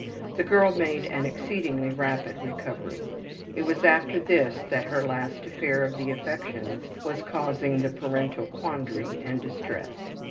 The girl made an exceedingly rapid recovery. It was after this that her last affair of the affections was causing the parental quandary and distress.